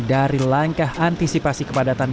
dari langkah antisipasi kepadatan